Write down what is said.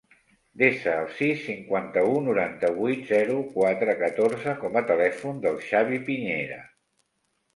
Desa el sis, cinquanta-u, noranta-vuit, zero, quatre, catorze com a telèfon del Xavi Piñera.